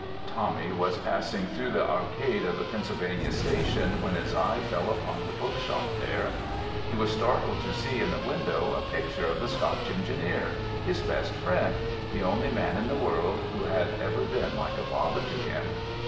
Tommy was passing through the arcade of the Pennsylvania Station when his eye fell upon the book shop there. He was startled to see in the window a picture of the Scotch engineer—his best friend, the only man in the world who had ever been like a father to him.